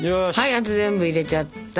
あと全部入れちゃったら。